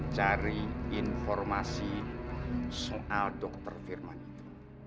cari informasi soal dokter firman itu